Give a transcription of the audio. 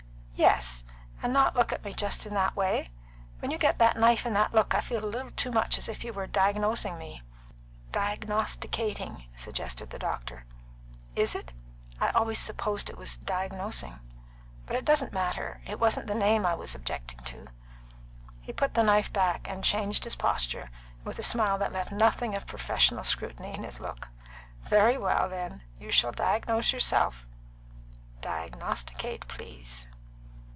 "Yes. And not look at me just in that way? When you get that knife and that look, I feel a little too much as if you were diagnosing me." "Diagnosticating," suggested the doctor. "Is it? I always supposed it was diagnosing. But it doesn't matter. It wasn't the name I was objecting to." He put the knife back and changed his posture, with a smile that left nothing of professional scrutiny in his look. "Very well, then; you shall diagnose yourself." "Diagnosticate, please."